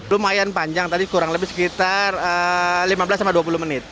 lumayan panjang tadi kurang lebih sekitar lima belas dua puluh menit